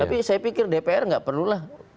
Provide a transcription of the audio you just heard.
tapi saya pikir dpr nggak perlulah